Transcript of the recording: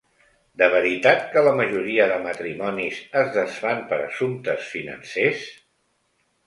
De veritat que la majoria de matrimonis es desfan per assumptes financers?